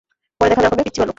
পরে দেখা হবে, পিচ্চি ভালুক।